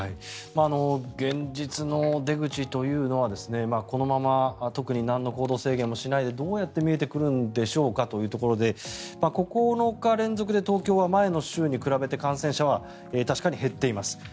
現実の出口というのはこのまま特に何の行動制限もしないでどう見えてくるんでしょうかということで９日連続で前の週に比べて東京の感染者は確かに減っています。